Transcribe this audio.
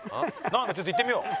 ちょっと行ってみよう。